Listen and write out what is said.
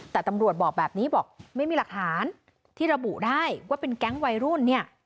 แต่ตำรวจบอกแบบนี้บอกไม่มีหลักฐานที่ระบุได้ว่าเป็นแก๊งวัยรุ่นเนี่ย